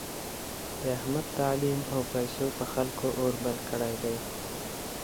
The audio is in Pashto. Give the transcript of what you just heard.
د احمد تعلیم او پیسو په خلکو اور بل کړی دی.